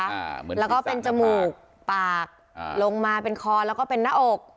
แล้วก็เป็นจมูกปากอ่าลงมาเป็นคอแล้วก็เป็นหน้าอก